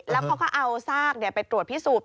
แล้วเขาก็เอาซากไปตรวจพิสูจน์